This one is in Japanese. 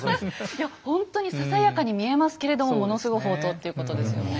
いやほんとにささやかに見えますけれどもものすごい法灯っていうことですよね。